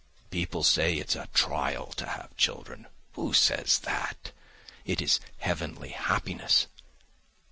People say it's a trial to have children. Who says that? It is heavenly happiness!